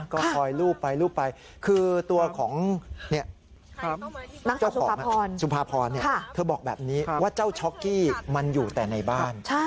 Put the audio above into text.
ก็คอยลูบไปคือตัวของเจ้าช็อกกี้มันอยู่แต่ในบ้าน